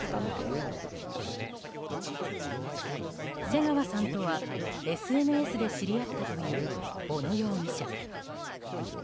瀬川さんとは、ＳＮＳで知り合ったという小野容疑者。